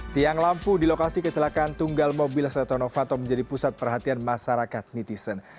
tiang lampu di lokasi kecelakaan tunggal mobil setonofato menjadi pusat perhatian masyarakat netizen